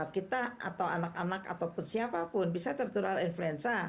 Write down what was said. kita atau anak anak ataupun siapapun bisa tertular influenza